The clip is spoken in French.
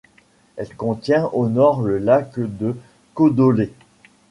Elle contient au nord le lac de Codolet.